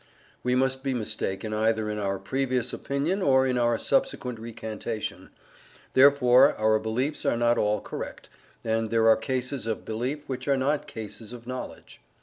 We must be mistaken either in our previous opinion or in our subsequent recantation; therefore our beliefs are not all correct, and there are cases of belief which are not cases of knowledge.